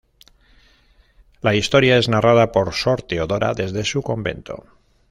La historia es narrada por sor Teodora desde su convento.